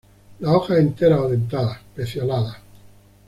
Las hojas enteras o dentadas; pecioladas.